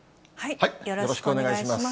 よろしくお願いします。